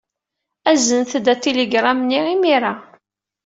Aznet-d atiligṛam-nni imir-a.